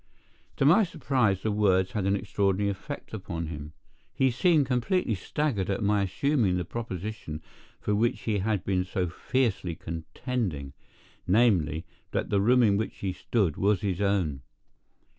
To my surprise the words had an extraordinary effect upon him. He seemed completely staggered at my assuming the proposition for which he had been so fiercely contending—namely, that the room in which he stood was his own.